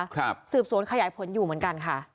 สืบสวนขยายผลอยู่เหมือนกันค่ะ